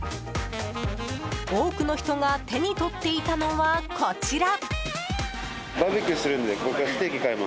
多くの人が手に取っていたのはこちら。